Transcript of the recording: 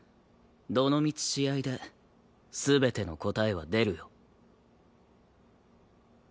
どのみち試合で全ての答えは出るよ。